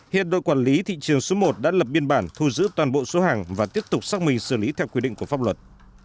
hiện đội quản lý thị trường số một đã lập biên bản thu giữ toàn bộ số hàng và tiếp tục xác minh xử lý theo quy định của pháp luật